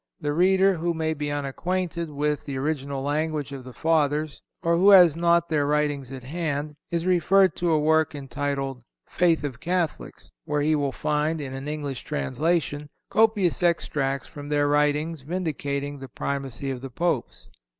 The reader who may be unacquainted with the original language of the Fathers, or who has not their writings at hand, is referred to a work entitled, "Faith of Catholics," where he will find, in an English translation, copious extracts from their writings vindicating the Primacy of the Popes.